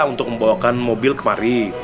untuk membawakan mobil kemari